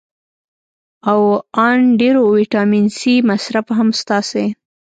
او ان ډېر ویټامین سي مصرف هم ستاسې